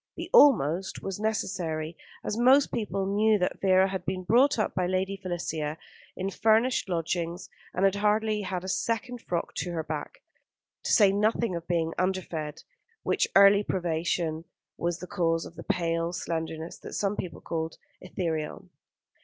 The "almost" was necessary, as most people knew that Vera had been brought up with Lady Felicia, in furnished lodgings, and had hardly had a second frock to her back, to say nothing of being underfed, which early privation was the cause of the pale slenderness that some people called "ethereal."